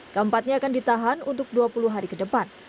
keempatnya akan ditahan untuk dua puluh hari ke depan